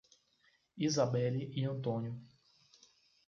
Isabelly e Antônio